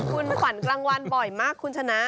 คุณขวัญกลางวันบ่อยมากคุณชนะ